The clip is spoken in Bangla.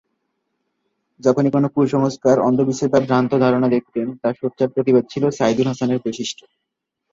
যখনই কোনো কুসংস্কার, অন্ধ বিশ্বাস বা ভ্রান্ত ধারণা দেখতেন তার সোচ্চার প্রতিবাদ ছিল সাইদুল হাসানের বৈশিষ্ট্য।